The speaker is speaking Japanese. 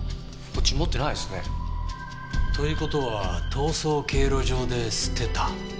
こっち持ってないですね。という事は逃走経路上で捨てた。